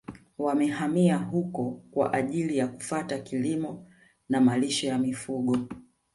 Wamehamia huko kwa ajili ya kufata kilimo na malisho ya mifugo